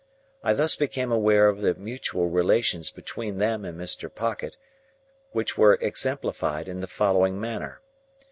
I thus became aware of the mutual relations between them and Mr. Pocket, which were exemplified in the following manner.